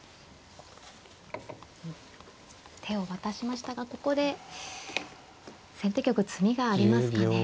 手を渡しましたがここで先手玉詰みがありますかね。